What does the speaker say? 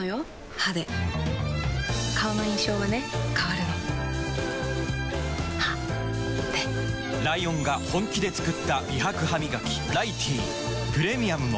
歯で顔の印象はね変わるの歯でライオンが本気で作った美白ハミガキ「ライティー」プレミアムも